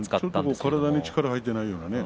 体に力が入っていないようなね。